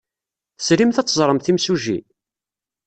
Tesrimt ad teẓremt imsujji?